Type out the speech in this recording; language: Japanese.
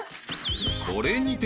［これにて］